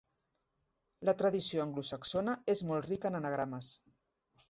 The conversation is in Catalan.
La tradició anglosaxona és molt rica en anagrames.